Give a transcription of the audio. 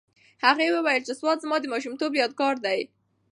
هغې وویل چې سوات زما د ماشومتوب یادګار دی.